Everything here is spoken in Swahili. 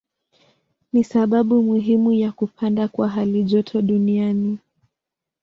Ni sababu muhimu ya kupanda kwa halijoto duniani.